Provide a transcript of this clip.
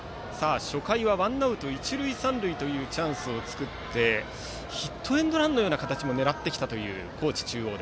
初回はワンアウト一塁三塁というチャンスを作ってヒットエンドランのような形も狙ってきた高知中央。